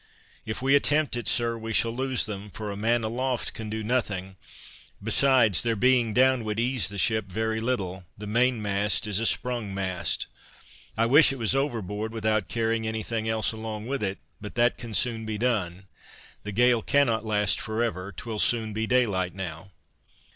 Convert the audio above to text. "If we attempt it, Sir, we shall lose them, for a man aloft can do nothing; besides their being down would ease the ship very little; the mainmast is a sprung mast; I wish it was overboard without carrying any thing else along with it; but that can soon be done, the gale cannot last for ever; 'twill soon be daylight now."